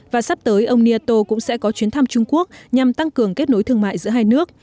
và sắp tới ông niato cũng sẽ có chuyến thăm trung quốc nhằm tăng cường kết nối thương mại giữa hai nước